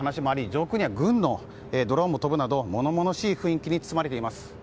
上空には軍のドローンも飛ぶなど物々しい雰囲気に包まれています。